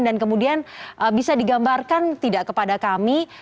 dan kemudian bisa digambarkan tidak kepada kami